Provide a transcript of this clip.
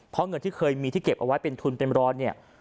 เพราะเงินที่เคยมีที่เก็บเอาไว้เป็นทุนเต็มร้อยเนี่ย